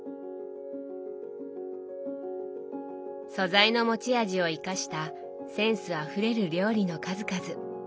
素材の持ち味を生かしたセンスあふれる料理の数々。